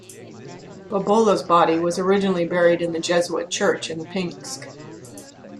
Bobola's body was originally buried in the Jesuit church in Pinsk.